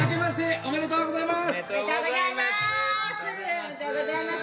おめでとうございます。